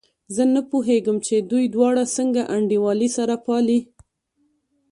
زه نه پوهېږم چې دوی دواړه څنګه انډيوالي سره پالي.